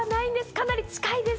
かなり近いです。